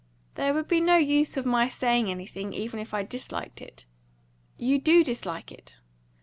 "There would be no use of my saying anything, even if I disliked it." "You do dislike it!"